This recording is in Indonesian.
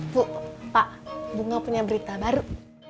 bu pak bungo punya berita baru